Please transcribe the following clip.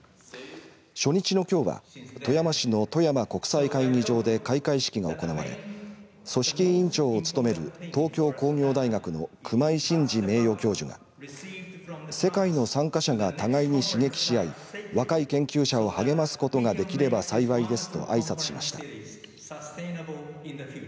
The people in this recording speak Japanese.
初日のきょうは富山市の富山国際会議場で開会式が行われ組織委員長を務める東京工業大学の熊井真次名誉教授が世界の参加者が互いに刺激し合い若い研究者を励ますことができれば幸いですとあいさつしました。